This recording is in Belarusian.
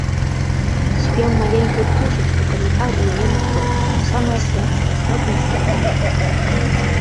Спеў маленькай птушачкі пранікаў у яе нутро, у самае сэрца вясновымі срэбнымі трэлямі.